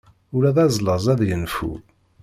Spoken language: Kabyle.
Ula d azlaz ad yenfu.